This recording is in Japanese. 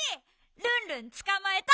ルンルンつかまえた！